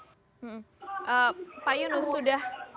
sudah berapa lama